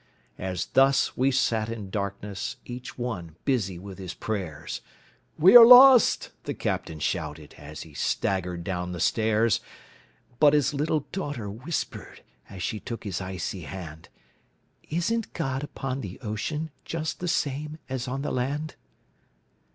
As thus we sat in darkness Each one busy with his prayers, "We are lost!" the captain shouted, As he staggered down the stairs. But his little daughter whispered, As she took his icy hand, "Isn't God upon the ocean, Just the same as on the land?"